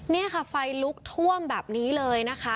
นี่ค่ะไฟลุกท่วมแบบนี้เลยนะคะ